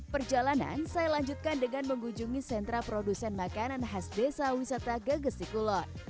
perjalanan saya lanjutkan dengan mengunjungi sentra produsen makanan khas desa wisata gegesi kulon